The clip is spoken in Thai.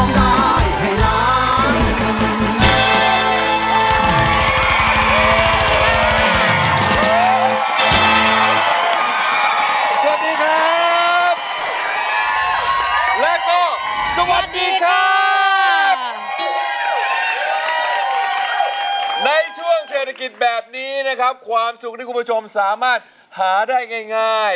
ในช่วงเศรษฐกิจแบบนี้นะครับความสุขที่คุณผู้ชมสามารถหาได้ง่าย